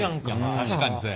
確かにそや。